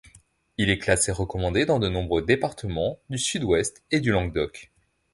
Il est classé recommandé dans de nombreux départements du Sud-Ouest et du Languedoc.